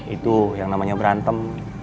itu yang namanya berantem